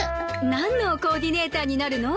何のコーディネーターになるの？